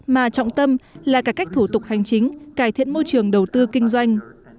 mà trọng tâm là cải cách thủ tục hành chính cải thiện môi trường đầu tư kinh doanh